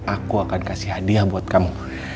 aku akan kasih hadiah buat kamu